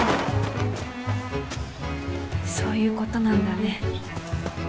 そういうことなんだね。